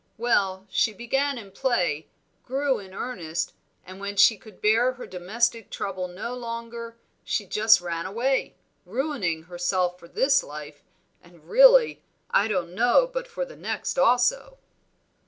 Well, she began in play, grew in earnest, and when she could bear her domestic trouble no longer she just ran away, ruining herself for this life, and really I don't know but for the next also."